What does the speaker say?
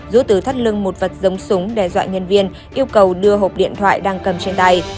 rút từ thắt lưng một vật giống súng đe dọa nhân viên yêu cầu đưa hộp điện thoại đang cầm trên tay